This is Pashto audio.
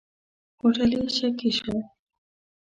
هوټلي شکي شو.